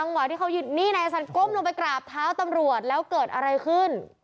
นี่นายฮาซันก้มลงไปกราบเท้าตำรวจแล้วเกิดอะไรขึ้น